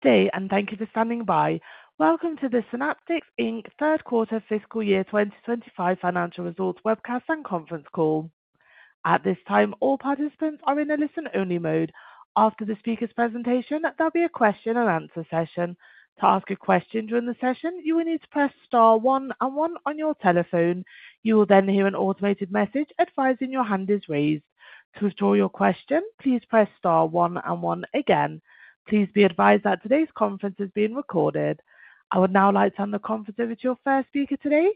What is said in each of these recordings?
State, and thank you for standing by. Welcome to the Synaptics Third Quarter Fiscal Year 2025 Financial Results Webcast and Conference Call. At this time, all participants are in a listen-only mode. After the speaker's presentation, there will be a question-and-answer session. To ask a question during the session, you will need to press star one and one on your telephone. You will then hear an automated message advising your hand is raised. To withdraw your question, please press star one and one again. Please be advised that today's conference is being recorded. I would now like to turn the conference over to your first speaker today,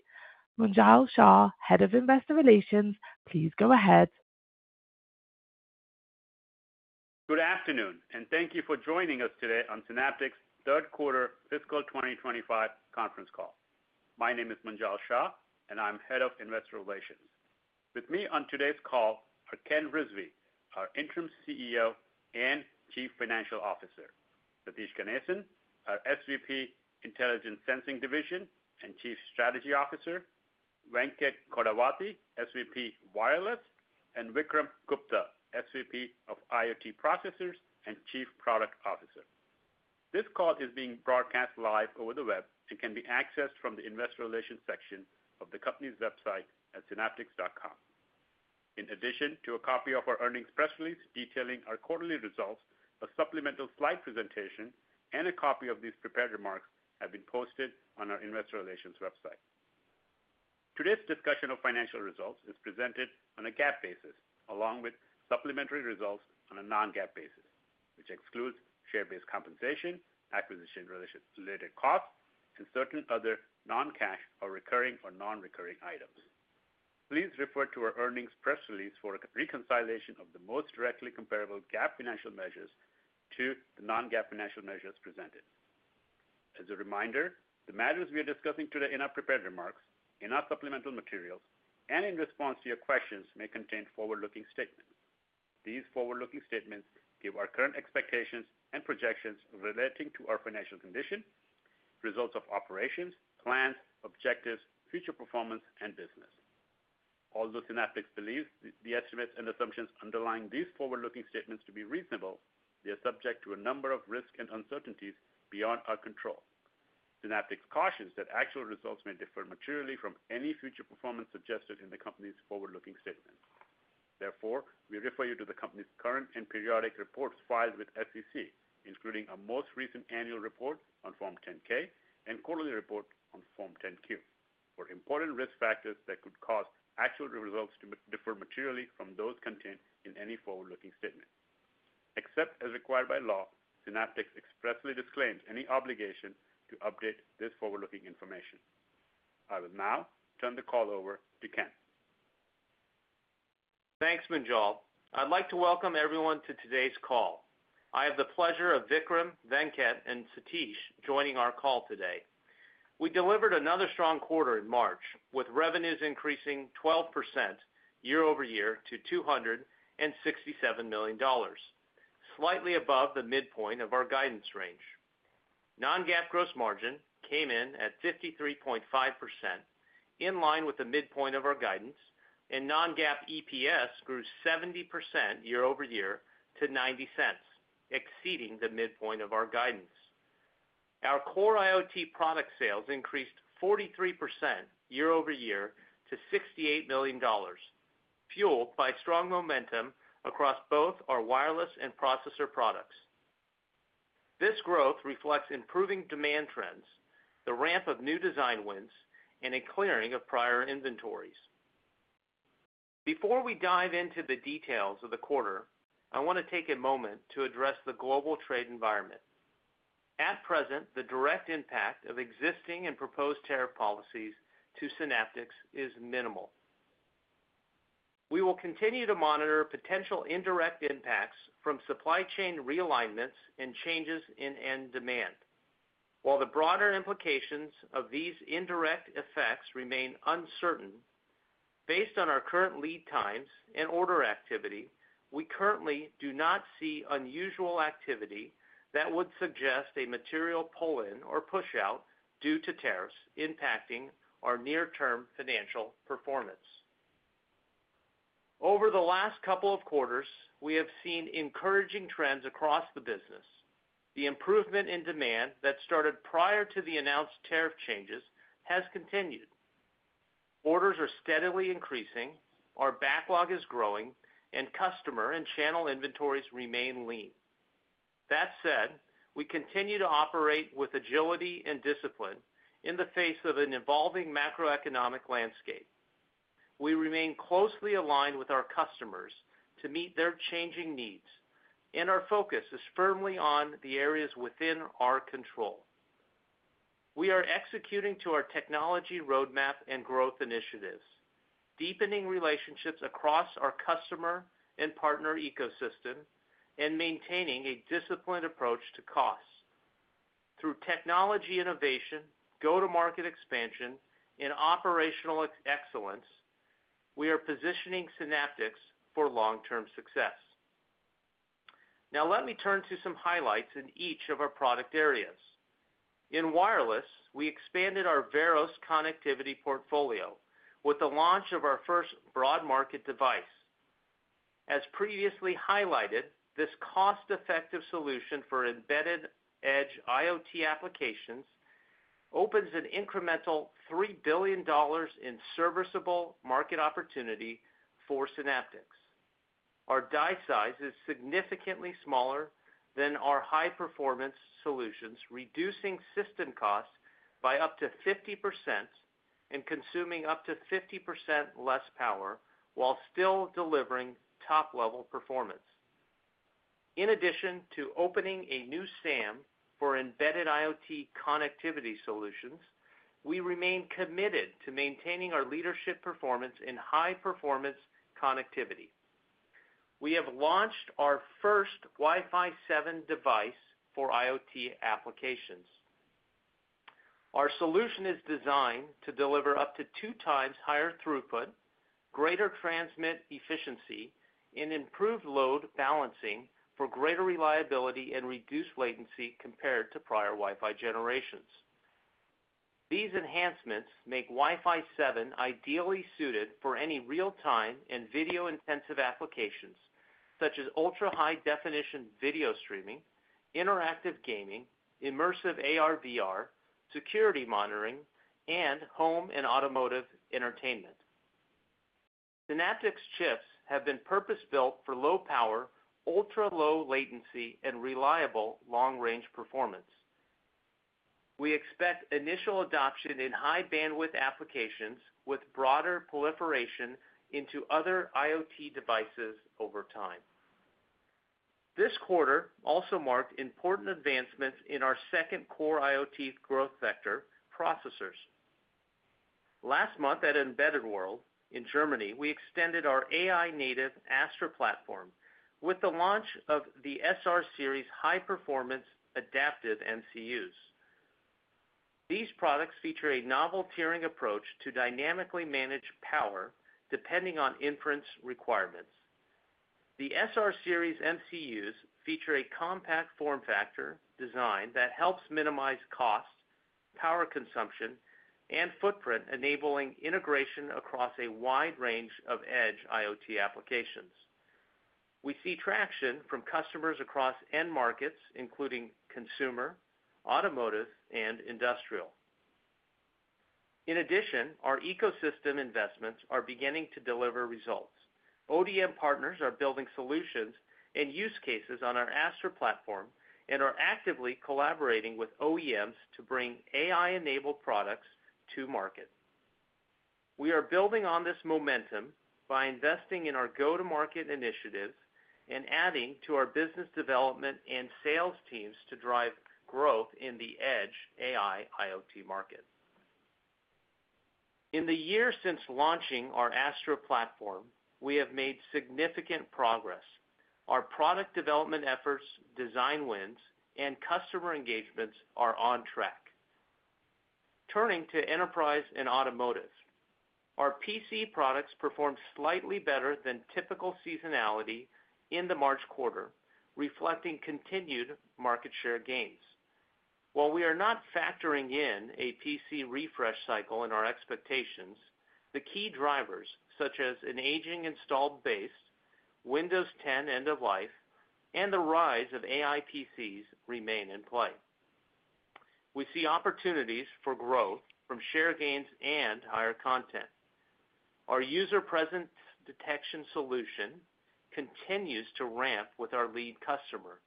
Munjal Shah, Head of Investor Relations. Please go ahead. Good afternoon, and thank you for joining us today on Synaptics Third Quarter Fiscal 2025 Conference Call. My name is Munjal Shah, and I'm Head of Investor Relations. With me on today's call are Ken Rizvi, our Interim CEO and Chief Financial Officer, Satish Ganesan, our SVP Intelligence Sensing Division and Chief Strategy Officer, Wenckert Kodavati, SVP Wireless, and Vikram Gupta, SVP of IoT Processors and Chief Product Officer. This call is being broadcast live over the web and can be accessed from the Investor Relations section of the company's website at synaptics.com. In addition to a copy of our earnings press release detailing our quarterly results, a supplemental slide presentation, and a copy of these prepared remarks have been posted on our Investor Relations website. Today's discussion of financial results is presented on a GAAP basis along with supplementary results on a non-GAAP basis, which excludes share-based compensation, acquisition-related costs, and certain other non-cash or recurring or non-recurring items. Please refer to our earnings press release for reconciliation of the most directly comparable GAAP financial measures to the non-GAAP financial measures presented. As a reminder, the matters we are discussing today in our prepared remarks, in our supplemental materials, and in response to your questions may contain forward-looking statements. These forward-looking statements give our current expectations and projections relating to our financial condition, results of operations, plans, objectives, future performance, and business. Although Synaptics believes the estimates and assumptions underlying these forward-looking statements to be reasonable, they are subject to a number of risks and uncertainties beyond our control. Synaptics cautions that actual results may differ materially from any future performance suggested in the company's forward-looking statements. Therefore, we refer you to the company's current and periodic reports filed with the SEC, including our most recent annual report on Form 10-K and quarterly report on Form 10-Q, for important risk factors that could cause actual results to differ materially from those contained in any forward-looking statement. Except as required by law, Synaptics expressly disclaims any obligation to update this forward-looking information. I will now turn the call over to Ken. Thanks, Munjal. I'd like to welcome everyone to today's call. I have the pleasure of Vikram, Wenckert, and Satish joining our call today. We delivered another strong quarter in March, with revenues increasing 12% year over year to $267 million, slightly above the midpoint of our guidance range. Non-GAAP gross margin came in at 53.5%, in line with the midpoint of our guidance, and non-GAAP EPS grew 70% year over year to $0.90, exceeding the midpoint of our guidance. Our core IoT product sales increased 43% year over year to $68 million, fueled by strong momentum across both our wireless and processor products. This growth reflects improving demand trends, the ramp of new design wins, and a clearing of prior inventories. Before we dive into the details of the quarter, I want to take a moment to address the global trade environment. At present, the direct impact of existing and proposed tariff policies to Synaptics is minimal. We will continue to monitor potential indirect impacts from supply chain realignments and changes in end demand. While the broader implications of these indirect effects remain uncertain, based on our current lead times and order activity, we currently do not see unusual activity that would suggest a material pull-in or push-out due to tariffs impacting our near-term financial performance. Over the last couple of quarters, we have seen encouraging trends across the business. The improvement in demand that started prior to the announced tariff changes has continued. Orders are steadily increasing, our backlog is growing, and customer and channel inventories remain lean. That said, we continue to operate with agility and discipline in the face of an evolving macroeconomic landscape. We remain closely aligned with our customers to meet their changing needs, and our focus is firmly on the areas within our control. We are executing to our technology roadmap and growth initiatives, deepening relationships across our customer and partner ecosystem, and maintaining a disciplined approach to costs. Through technology innovation, go-to-market expansion, and operational excellence, we are positioning Synaptics for long-term success. Now, let me turn to some highlights in each of our product areas. In wireless, we expanded our Veros connectivity portfolio with the launch of our first broad-market device. As previously highlighted, this cost-effective solution for embedded edge IoT applications opens an incremental $3 billion in serviceable market opportunity for Synaptics. Our die size is significantly smaller than our high-performance solutions, reducing system costs by up to 50% and consuming up to 50% less power while still delivering top-level performance. In addition to opening a new SAM for embedded IoT connectivity solutions, we remain committed to maintaining our leadership performance in high-performance connectivity. We have launched our first Wi-Fi 7 device for IoT applications. Our solution is designed to deliver up to two times higher throughput, greater transmit efficiency, and improved load balancing for greater reliability and reduced latency compared to prior Wi-Fi generations. These enhancements make Wi-Fi 7 ideally suited for any real-time and video-intensive applications such as ultra-high-definition video streaming, interactive gaming, immersive AR/VR, security monitoring, and home and automotive entertainment. Synaptics chips have been purpose-built for low power, ultra-low latency, and reliable long-range performance. We expect initial adoption in high-bandwidth applications with broader proliferation into other IoT devices over time. This quarter also marked important advancements in our second core IoT growth vector, processors. Last month at Embedded World in Germany, we extended our AI-native Astra platform with the launch of the SR Series high-performance adaptive MCUs. These products feature a novel tiering approach to dynamically manage power depending on inference requirements. The SR Series MCUs feature a compact form factor design that helps minimize cost, power consumption, and footprint, enabling integration across a wide range of edge IoT applications. We see traction from customers across end markets, including consumer, automotive, and industrial. In addition, our ecosystem investments are beginning to deliver results. ODM partners are building solutions and use cases on our Astra platform and are actively collaborating with OEMs to bring AI-enabled products to market. We are building on this momentum by investing in our go-to-market initiatives and adding to our business development and sales teams to drive growth in the edge AI IoT market. In the year since launching our Astra platform, we have made significant progress. Our product development efforts, design wins, and customer engagements are on track. Turning to enterprise and automotive, our PC products performed slightly better than typical seasonality in the March quarter, reflecting continued market share gains. While we are not factoring in a PC refresh cycle in our expectations, the key drivers, such as an aging installed base, Windows 10 end-of-life, and the rise of AI PCs, remain in play. We see opportunities for growth from share gains and higher content. Our user presence detection solution continues to ramp with our lead customer,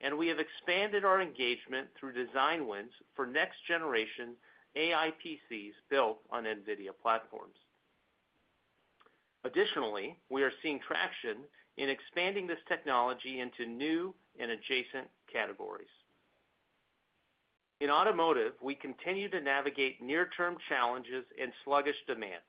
and we have expanded our engagement through design wins for next-generation AI PCs built on NVIDIA platforms. Additionally, we are seeing traction in expanding this technology into new and adjacent categories. In automotive, we continue to navigate near-term challenges and sluggish demand.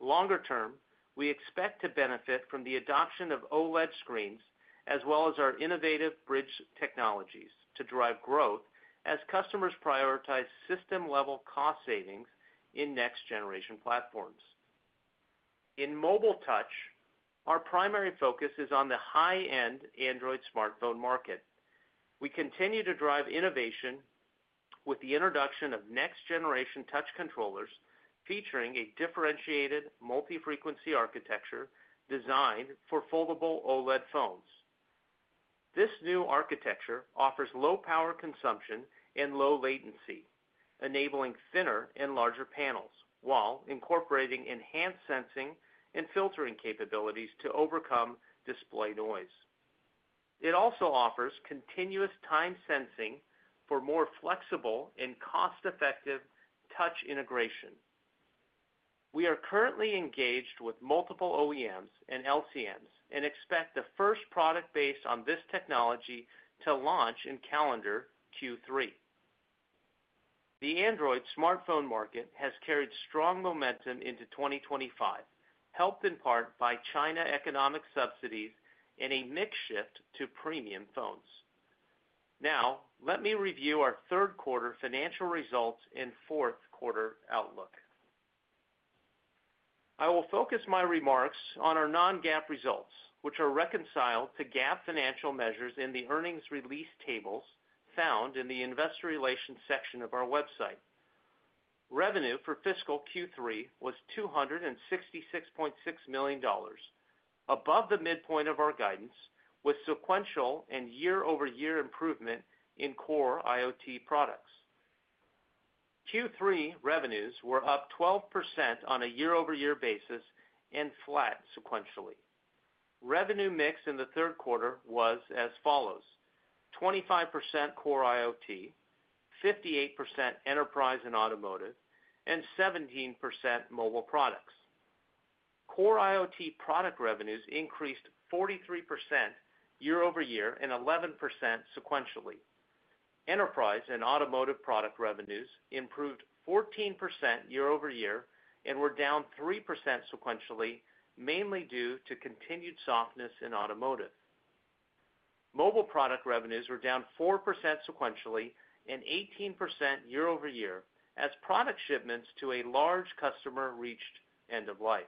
Longer term, we expect to benefit from the adoption of OLED screens as well as our innovative bridge technologies to drive growth as customers prioritize system-level cost savings in next-generation platforms. In mobile touch, our primary focus is on the high-end Android smartphone market. We continue to drive innovation with the introduction of next-generation touch controllers featuring a differentiated multi-frequency architecture designed for foldable OLED phones. This new architecture offers low power consumption and low latency, enabling thinner and larger panels while incorporating enhanced sensing and filtering capabilities to overcome display noise. It also offers continuous time sensing for more flexible and cost-effective touch integration. We are currently engaged with multiple OEMs and LCMs and expect the first product based on this technology to launch in calendar Q3. The Android smartphone market has carried strong momentum into 2025, helped in part by China economic subsidies and a mix shift to premium phones. Now, let me review our third quarter financial results and fourth quarter outlook. I will focus my remarks on our non-GAAP results, which are reconciled to GAAP financial measures in the earnings release tables found in the investor relations section of our website. Revenue for fiscal Q3 was $266.6 million, above the midpoint of our guidance with sequential and year-over-year improvement in core IoT products. Q3 revenues were up 12% on a year-over-year basis and flat sequentially. Revenue mix in the third quarter was as follows: 25% core IoT, 58% enterprise and automotive, and 17% mobile products. Core IoT product revenues increased 43% year-over-year and 11% sequentially. Enterprise and automotive product revenues improved 14% year-over-year and were down 3% sequentially, mainly due to continued softness in automotive. Mobile product revenues were down 4% sequentially and 18% year-over-year as product shipments to a large customer reached end-of-life.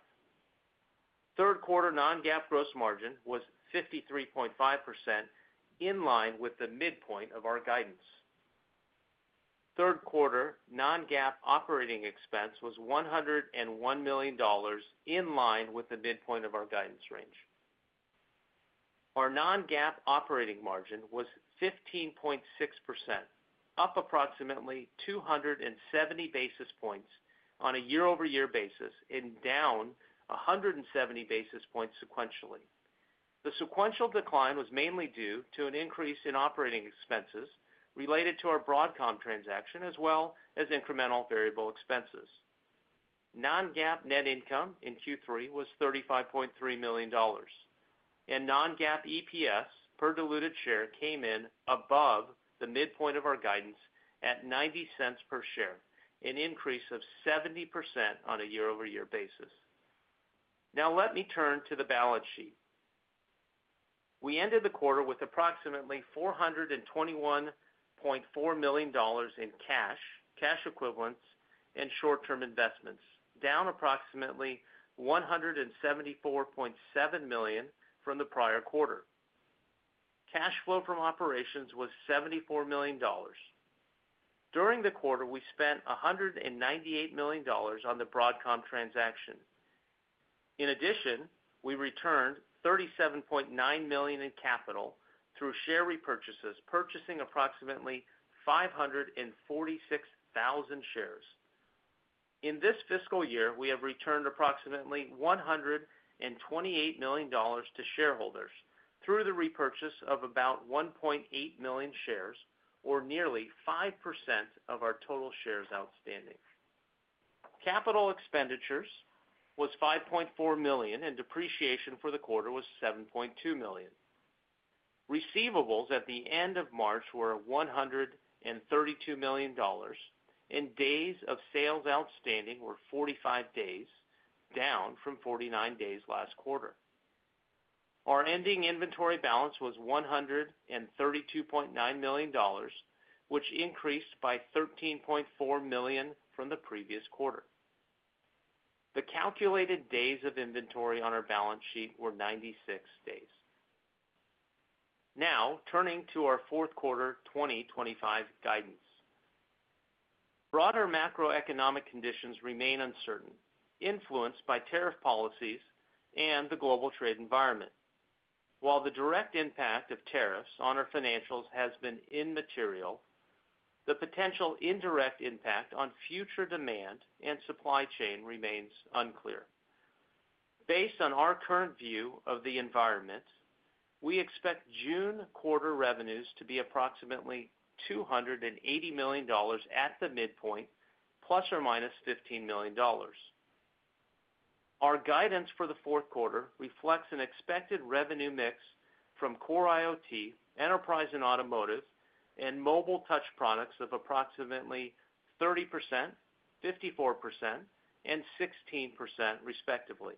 Third quarter non-GAAP gross margin was 53.5%, in line with the midpoint of our guidance. Third quarter non-GAAP operating expense was $101 million, in line with the midpoint of our guidance range. Our non-GAAP operating margin was 15.6%, up approximately 270 basis points on a year-over-year basis and down 170 basis points sequentially. The sequential decline was mainly due to an increase in operating expenses related to our Broadcom transaction, as well as incremental variable expenses. Non-GAAP net income in Q3 was $35.3 million, and non-GAAP EPS per diluted share came in above the midpoint of our guidance at $0.90 per share, an increase of 70% on a year-over-year basis. Now, let me turn to the balance sheet. We ended the quarter with approximately $421.4 million in cash, cash equivalents, and short-term investments, down approximately $174.7 million from the prior quarter. Cash flow from operations was $74 million. During the quarter, we spent $198 million on the Broadcom transaction. In addition, we returned $37.9 million in capital through share repurchases, purchasing approximately 546,000 shares. In this fiscal year, we have returned approximately $128 million to shareholders through the repurchase of about 1.8 million shares, or nearly 5% of our total shares outstanding. Capital expenditures was $5.4 million, and depreciation for the quarter was $7.2 million. Receivables at the end of March were $132 million, and days of sales outstanding were 45 days, down from 49 days last quarter. Our ending inventory balance was $132.9 million, which increased by $13.4 million from the previous quarter. The calculated days of inventory on our balance sheet were 96 days. Now, turning to our fourth quarter 2025 guidance. Broader macroeconomic conditions remain uncertain, influenced by tariff policies and the global trade environment. While the direct impact of tariffs on our financials has been immaterial, the potential indirect impact on future demand and supply chain remains unclear. Based on our current view of the environment, we expect June quarter revenues to be approximately $280 million at the midpoint, plus or minus $15 million. Our guidance for the fourth quarter reflects an expected revenue mix from core IoT, enterprise and automotive, and mobile touch products of approximately 30%, 54%, and 16%, respectively.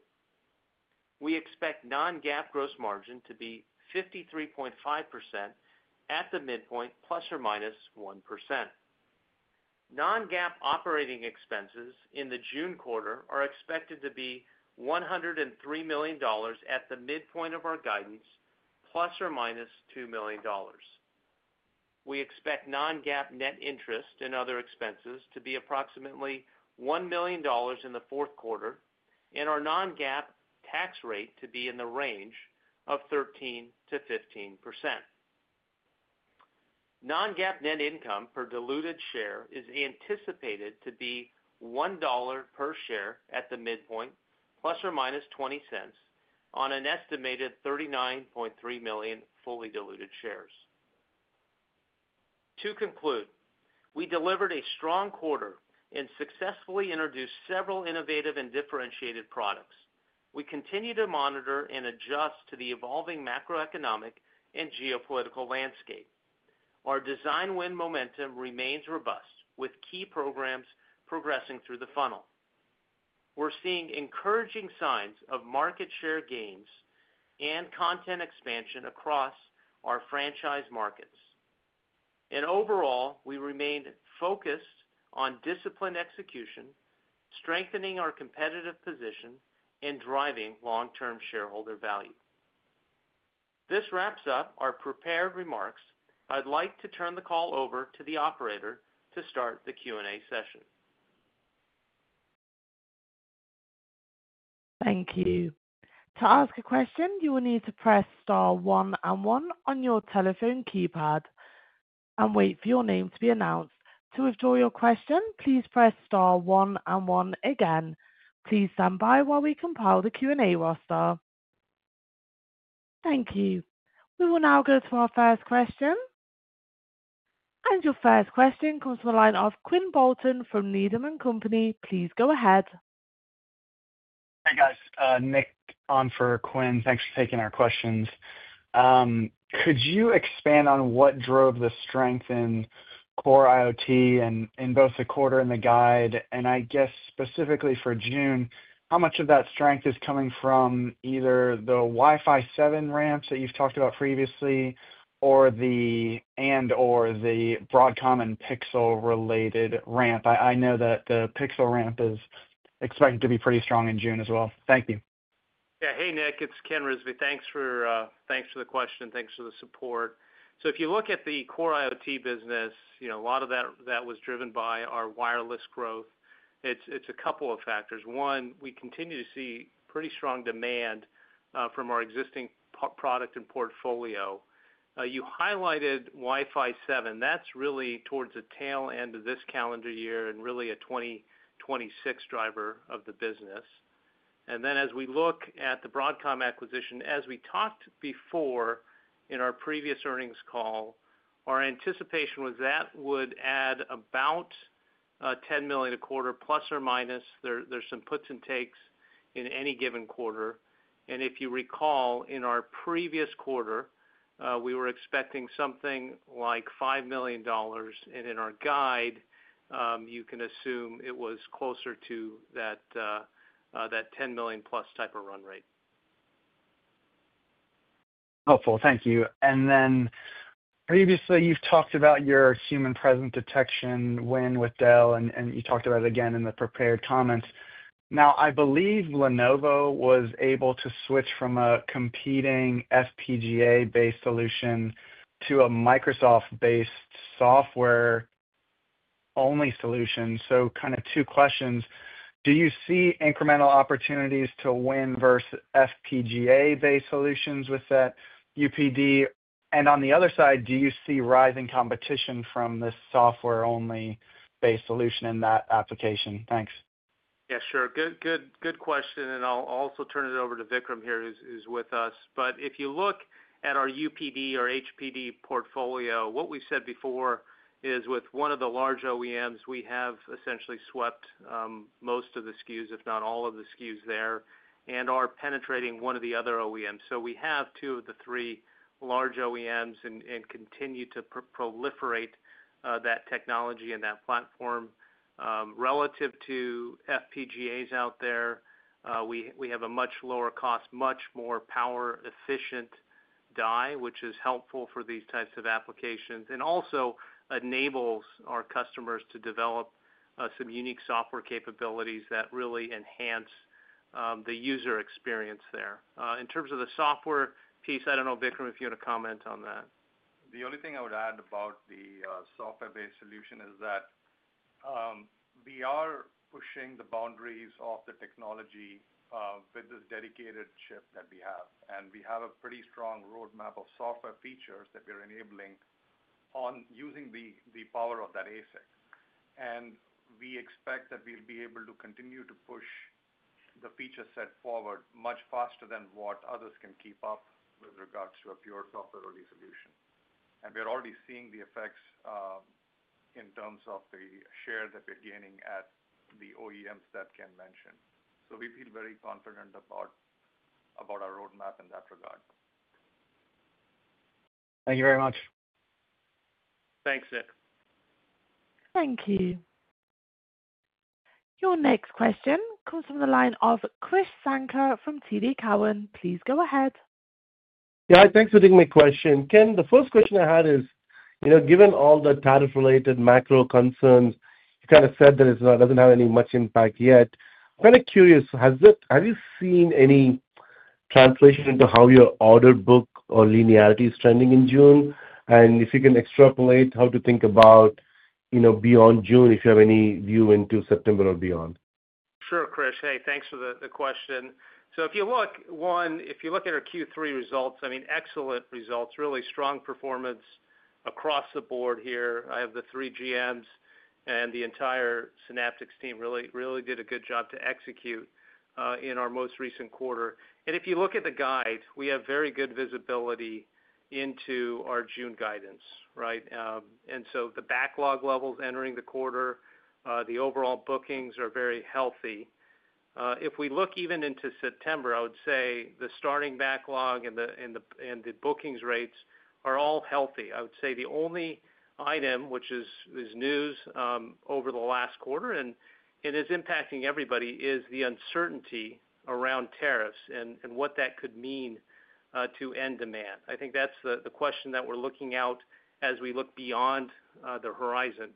We expect non-GAAP gross margin to be 53.5% at the midpoint, plus or minus 1%. Non-GAAP operating expenses in the June quarter are expected to be $103 million at the midpoint of our guidance, plus or minus $2 million. We expect non-GAAP net interest and other expenses to be approximately $1 million in the fourth quarter and our non-GAAP tax rate to be in the range of 13%-15%. Non-GAAP net income per diluted share is anticipated to be $1 per share at the midpoint, plus or minus $0.20 on an estimated 39.3 million fully diluted shares. To conclude, we delivered a strong quarter and successfully introduced several innovative and differentiated products. We continue to monitor and adjust to the evolving macroeconomic and geopolitical landscape. Our design win momentum remains robust, with key programs progressing through the funnel. We're seeing encouraging signs of market share gains and content expansion across our franchise markets. Overall, we remained focused on disciplined execution, strengthening our competitive position, and driving long-term shareholder value. This wraps up our prepared remarks. I'd like to turn the call over to the operator to start the Q&A session. Thank you. To ask a question, you will need to press star one and one on your telephone keypad and wait for your name to be announced. To withdraw your question, please press star one and one again. Please stand by while we compile the Q&A roster. Thank you. We will now go to our first question. Your first question comes from the line of Quinn Bolton from Needham and Company. Please go ahead. Hey, guys. Nick on for Quinn. Thanks for taking our questions. Could you expand on what drove the strength in core IoT in both the quarter and the guide? I guess specifically for June, how much of that strength is coming from either the Wi-Fi 7 ramps that you've talked about previously and/or the Broadcom and Pixel-related ramp? I know that the Pixel ramp is expected to be pretty strong in June as well. Thank you. Yeah. Hey, Nick. It's Ken Rizvi. Thanks for the question. Thanks for the support. If you look at the core IoT business, a lot of that was driven by our wireless growth. It's a couple of factors. One, we continue to see pretty strong demand from our existing product and portfolio. You highlighted Wi-Fi 7. That's really towards the tail end of this calendar year and really a 2026 driver of the business. As we look at the Broadcom acquisition, as we talked before in our previous earnings call, our anticipation was that would add about $10 million a quarter, plus or minus. There are some puts and takes in any given quarter. If you recall, in our previous quarter, we were expecting something like $5 million. In our guide, you can assume it was closer to that $10 million-plus type of run rate. Helpful. Thank you. Previously, you've talked about your human presence detection win with Dell, and you talked about it again in the prepared comments. I believe Lenovo was able to switch from a competing FPGA-based solution to a Microsoft-based software-only solution. Kind of two questions. Do you see incremental opportunities to win versus FPGA-based solutions with that UPD? On the other side, do you see rising competition from this software-only-based solution in that application? Thanks. Yeah, sure. Good question. I'll also turn it over to Vikram, who is with us. If you look at our UPD or HPD portfolio, what we've said before is with one of the large OEMs, we have essentially swept most of the SKUs, if not all of the SKUs there, and are penetrating one of the other OEMs. We have two of the three large OEMs and continue to proliferate that technology and that platform. Relative to FPGAs out there, we have a much lower cost, much more power-efficient die, which is helpful for these types of applications and also enables our customers to develop some unique software capabilities that really enhance the user experience there. In terms of the software piece, I don't know, Vikram, if you want to comment on that. The only thing I would add about the software-based solution is that we are pushing the boundaries of the technology with this dedicated chip that we have. We have a pretty strong roadmap of software features that we're enabling using the power of that ASIC. We expect that we'll be able to continue to push the feature set forward much faster than what others can keep up with regards to a pure software-only solution. We're already seeing the effects in terms of the share that we're gaining at the OEMs that Ken mentioned. We feel very confident about our roadmap in that regard. Thank you very much. Thanks, Nick. Thank you. Your next question comes from the line of Kris Sanker from TD Cowen. Please go ahead. Yeah, thanks for taking my question. Ken, the first question I had is, given all the tariff-related macro concerns, you kind of said that it does not have any much impact yet. I'm kind of curious, have you seen any translation into how your order book or linearity is trending in June? And if you can extrapolate how to think about beyond June, if you have any view into September or beyond. Sure, Chris. Hey, thanks for the question. If you look, one, if you look at our Q3 results, I mean, excellent results, really strong performance across the board here. I have the three GMs and the entire Synaptics team really did a good job to execute in our most recent quarter. If you look at the guide, we have very good visibility into our June guidance, right? The backlog levels entering the quarter, the overall bookings are very healthy. If we look even into September, I would say the starting backlog and the bookings rates are all healthy. I would say the only item, which is news over the last quarter and is impacting everybody, is the uncertainty around tariffs and what that could mean to end demand. I think that is the question that we are looking out as we look beyond the horizon.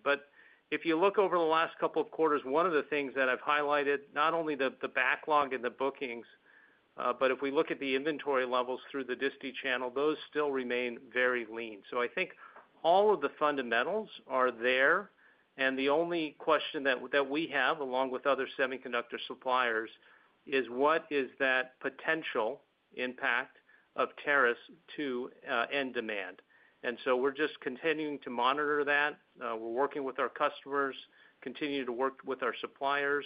If you look over the last couple of quarters, one of the things that I have highlighted, not only the backlog and the bookings, but if we look at the inventory levels through the DISTI channel, those still remain very lean. I think all of the fundamentals are there. The only question that we have, along with other semiconductor suppliers, is what is that potential impact of tariffs to end demand? We are just continuing to monitor that. We are working with our customers, continuing to work with our suppliers.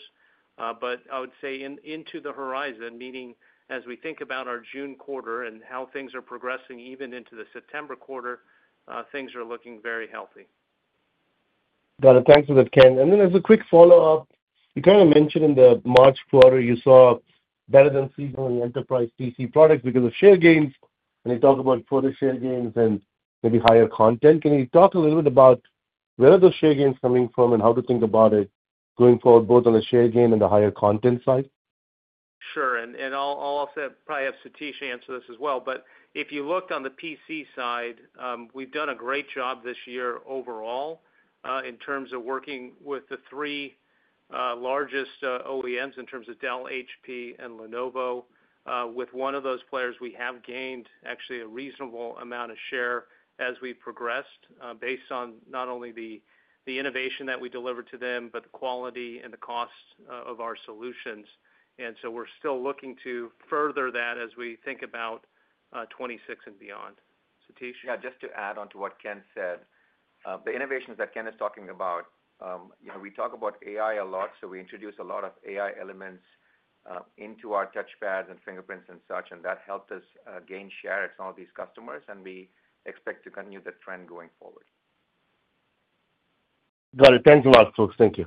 I would say into the horizon, meaning as we think about our June quarter and how things are progressing even into the September quarter, things are looking very healthy. Got it. Thanks for that, Ken. As a quick follow-up, you kind of mentioned in the March quarter you saw better than seasonal enterprise PC products because of share gains. You talked about further share gains and maybe higher content. Can you talk a little bit about where are those share gains coming from and how to think about it going forward, both on the share gain and the higher content side? Sure. I'll also probably have Satish answer this as well. If you looked on the PC side, we've done a great job this year overall in terms of working with the three largest OEMs in terms of Dell, HP, and Lenovo. With one of those players, we have gained actually a reasonable amount of share as we've progressed based on not only the innovation that we delivered to them, but the quality and the cost of our solutions. We're still looking to further that as we think about 2026 and beyond. Satish? Yeah, just to add on to what Ken said, the innovations that Ken is talking about, we talk about AI a lot, so we introduce a lot of AI elements into our touchpads and fingerprints and such, and that helped us gain share at some of these customers, and we expect to continue that trend going forward. Got it. Thanks a lot, folks. Thank you.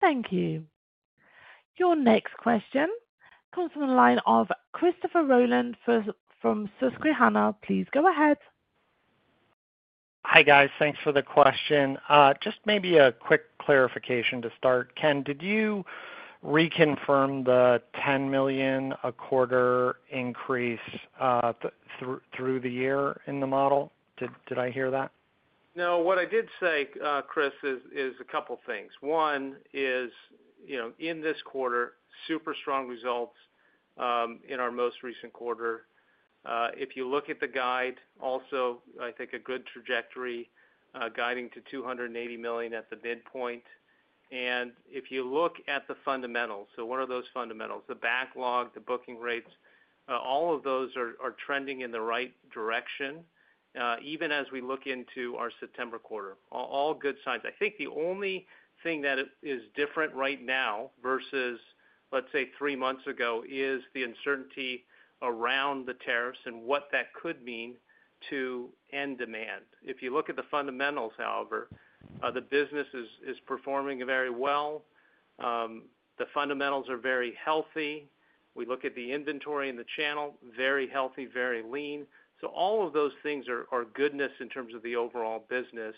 Thank you. Your next question comes from the line of Christopher Rolland from Susquehanna. Please go ahead. Hi, guys. Thanks for the question. Just maybe a quick clarification to start. Ken, did you reconfirm the $10 million a quarter increase through the year in the model? Did I hear that? No, what I did say, Chris, is a couple of things. One is in this quarter, super strong results in our most recent quarter. If you look at the guide, also I think a good trajectory guiding to $280 million at the midpoint. If you look at the fundamentals, so what are those fundamentals? The backlog, the booking rates, all of those are trending in the right direction, even as we look into our September quarter. All good signs. I think the only thing that is different right now versus, let's say, three months ago is the uncertainty around the tariffs and what that could mean to end demand. If you look at the fundamentals, however, the business is performing very well. The fundamentals are very healthy. We look at the inventory and the channel, very healthy, very lean. All of those things are goodness in terms of the overall business.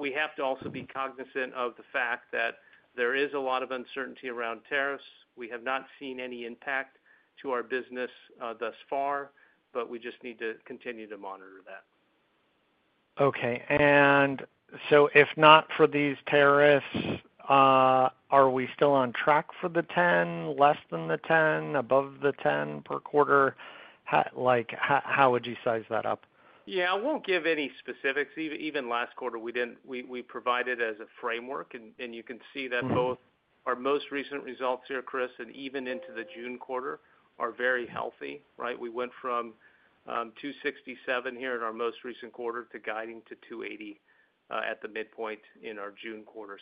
We have to also be cognizant of the fact that there is a lot of uncertainty around tariffs. We have not seen any impact to our business thus far, but we just need to continue to monitor that. Okay. If not for these tariffs, are we still on track for the $10 million, less than the $10 million, above the $10 million per quarter? How would you size that up? Yeah, I won't give any specifics. Even last quarter, we provided as a framework, and you can see that both our most recent results here, Chris, and even into the June quarter are very healthy, right? We went from $267 million here in our most recent quarter to guiding to $280 million at the midpoint in our June quarter.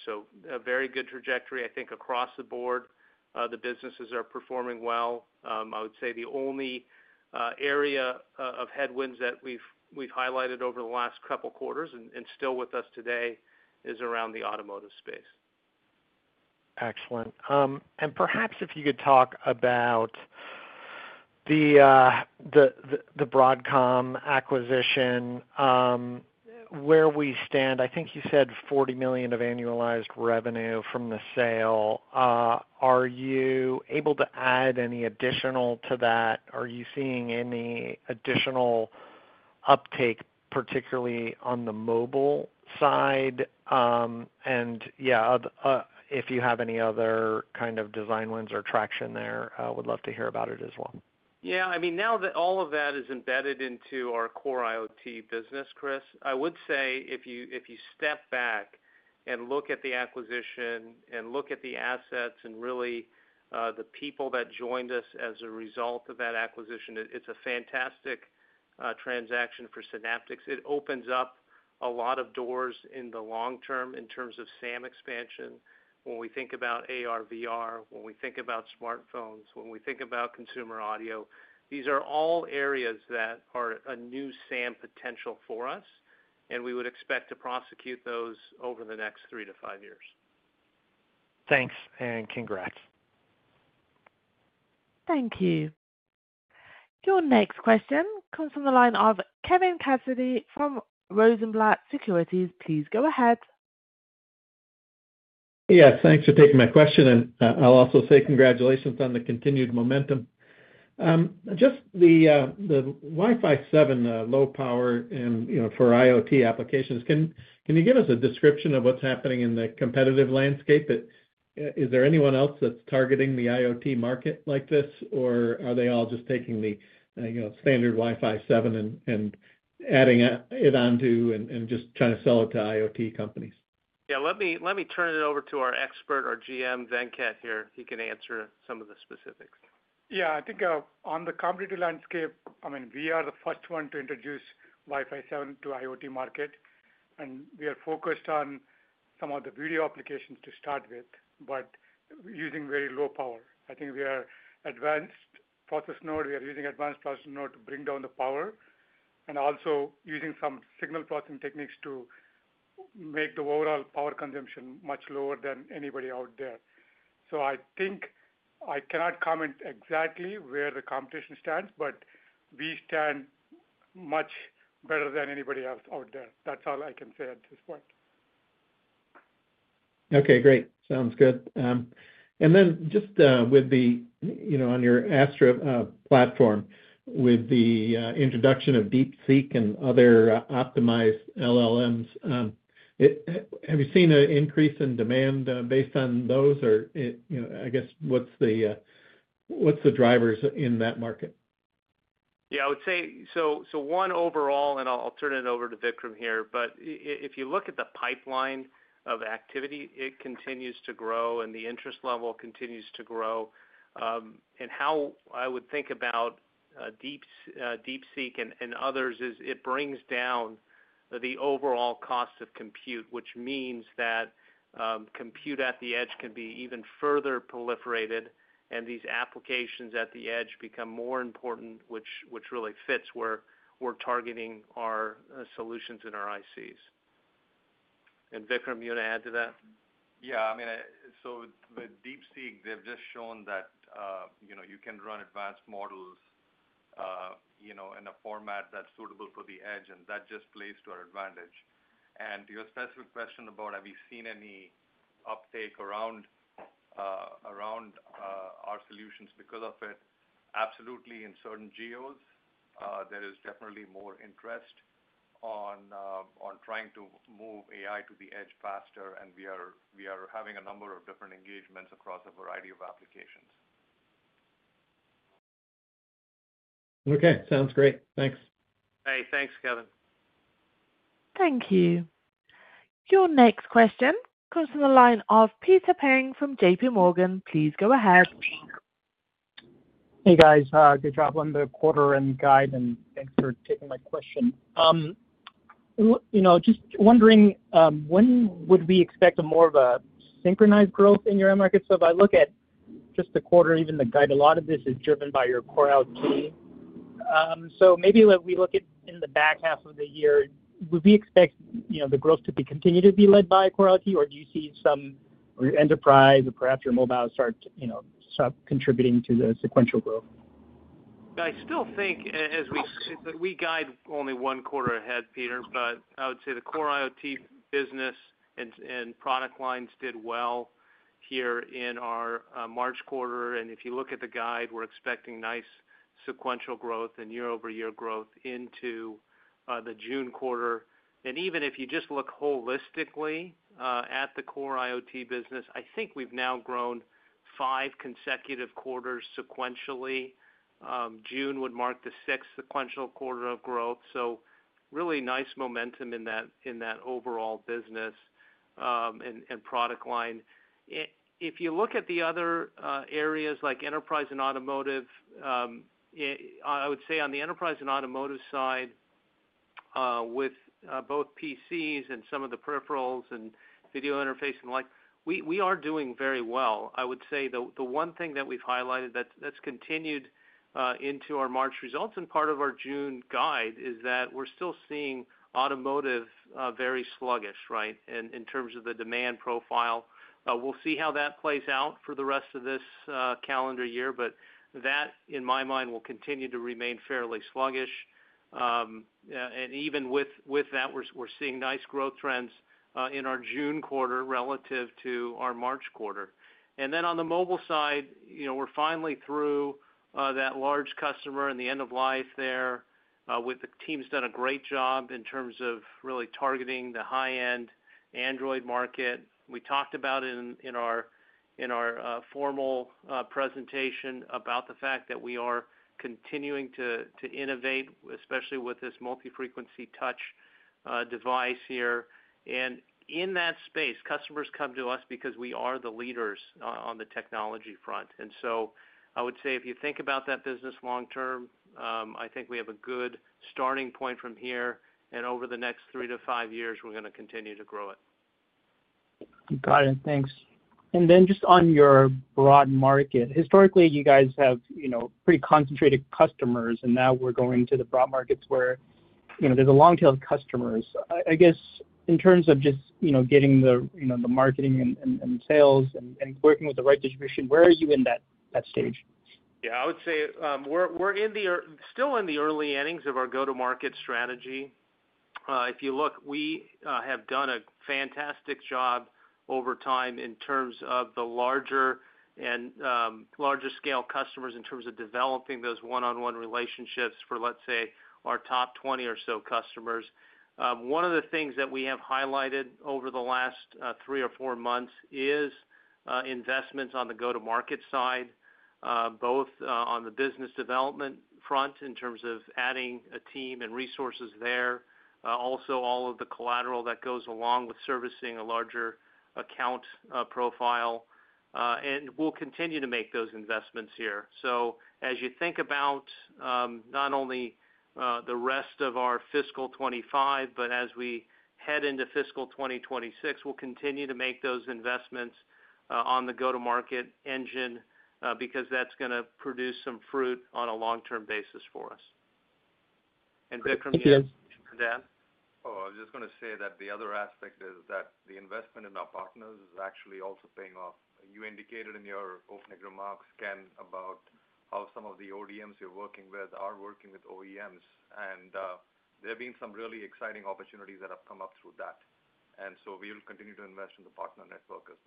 A very good trajectory, I think, across the board. The businesses are performing well. I would say the only area of headwinds that we've highlighted over the last couple of quarters and still with us today is around the automotive space. Excellent. Perhaps if you could talk about the Broadcom acquisition, where we stand, I think you said $40 million of annualized revenue from the sale. Are you able to add any additional to that? Are you seeing any additional uptake, particularly on the mobile side? If you have any other kind of design wins or traction there, I would love to hear about it as well. I mean, now that all of that is embedded into our core IoT business, Chris, I would say if you step back and look at the acquisition and look at the assets and really the people that joined us as a result of that acquisition, it's a fantastic transaction for Synaptics. It opens up a lot of doors in the long term in terms of SAM expansion. When we think about AR/VR, when we think about smartphones, when we think about consumer audio, these are all areas that are a new SAM potential for us, and we would expect to prosecute those over the next three to five years. Thanks and congrats. Thank you. Your next question comes from the line of Kevin Cassidy from Rosenblatt Securities. Please go ahead. Yeah, thanks for taking my question. And I'll also say congratulations on the continued momentum. Just the Wi-Fi 7 low power for IoT applications, can you give us a description of what's happening in the competitive landscape? Is there anyone else that's targeting the IoT market like this, or are they all just taking the standard Wi-Fi 7 and adding it onto and just trying to sell it to IoT companies? Yeah, let me turn it over to our expert, our GM, Venkat here. He can answer some of the specifics. Yeah, I think on the competitive landscape, I mean, we are the first one to introduce Wi-Fi 7 to the IoT market. We are focused on some of the video applications to start with, but using very low power. I think we are advanced process node. We are using advanced process node to bring down the power and also using some signal processing techniques to make the overall power consumption much lower than anybody out there. I cannot comment exactly where the competition stands, but we stand much better than anybody else out there. That is all I can say at this point. Okay, great. Sounds good. Just with the, on your Astra platform, with the introduction of DeepSeek and other optimized LLMs, have you seen an increase in demand based on those? Or I guess what's the drivers in that market? Yeah, I would say so one overall, and I'll turn it over to Vikram here, but if you look at the pipeline of activity, it continues to grow, and the interest level continues to grow. How I would think about DeepSeek and others is it brings down the overall cost of compute, which means that compute at the edge can be even further proliferated, and these applications at the edge become more important, which really fits where we're targeting our solutions and our ICs. Vikram, you want to add to that? Yeah, I mean, with DeepSeek, they've just shown that you can run advanced models in a format that's suitable for the edge, and that just plays to our advantage. To your specific question about have we seen any uptake around our solutions because of it, absolutely in certain geos, there is definitely more interest on trying to move AI to the edge faster, and we are having a number of different engagements across a variety of applications. Okay, sounds great. Thanks. Hey, thanks, Kevin.Thank you. Your next question comes from the line of Peter Peng from JPMorgan. Please go ahead. Hey, guys. Good job on the quarter and guide, and thanks for taking my question. Just wondering, when would we expect more of a synchronized growth in your end market? If I look at just the quarter, even the guide, a lot of this is driven by your core IoT. Maybe we look at in the back half of the year, would we expect the growth to continue to be led by core IoT, or do you see some enterprise or perhaps your mobile start contributing to the sequential growth? I still think, as we guide only one quarter ahead, Peter, but I would say the core IoT business and product lines did well here in our March quarter. If you look at the guide, we're expecting nice sequential growth and year-over-year growth into the June quarter. Even if you just look holistically at the core IoT business, I think we've now grown five consecutive quarters sequentially. June would mark the sixth sequential quarter of growth. Really nice momentum in that overall business and product line. If you look at the other areas like enterprise and automotive, I would say on the enterprise and automotive side, with both PCs and some of the peripherals and video interface and the like, we are doing very well. I would say the one thing that we've highlighted that's continued into our March results and part of our June guide is that we're still seeing automotive very sluggish, right, in terms of the demand profile. We'll see how that plays out for the rest of this calendar year, but that, in my mind, will continue to remain fairly sluggish. Even with that, we're seeing nice growth trends in our June quarter relative to our March quarter. On the mobile side, we're finally through that large customer and the end of life there with the team's done a great job in terms of really targeting the high-end Android market. We talked about it in our formal presentation about the fact that we are continuing to innovate, especially with this multi-frequency touch device here. In that space, customers come to us because we are the leaders on the technology front. I would say if you think about that business long term, I think we have a good starting point from here, and over the next three to five years, we're going to continue to grow it. Got it. Thanks. Just on your broad market, historically, you guys have pretty concentrated customers, and now we're going to the broad markets where there's a long tail of customers. I guess in terms of just getting the marketing and sales and working with the right distribution, where are you in that stage? Yeah, I would say we're still in the early innings of our go-to-market strategy. If you look, we have done a fantastic job over time in terms of the larger and larger scale customers in terms of developing those one-on-one relationships for, let's say, our top 20 or so customers. One of the things that we have highlighted over the last three or four months is investments on the go-to-market side, both on the business development front in terms of adding a team and resources there, also all of the collateral that goes along with servicing a larger account profile. We will continue to make those investments here. As you think about not only the rest of our fiscal 2025, but as we head into fiscal 2026, we'll continue to make those investments on the go-to-market engine because that's going to produce some fruit on a long-term basis for us. Vikram, do you have anything to add? Oh, I was just going to say that the other aspect is that the investment in our partners is actually also paying off. You indicated in your opening remarks, Ken, about how some of the ODMs you're working with are working with OEMs, and there have been some really exciting opportunities that have come up through that. We will continue to invest in the partner network as well.